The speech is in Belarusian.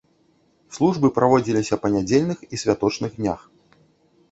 Службы праводзіліся па нядзельных і святочных днях.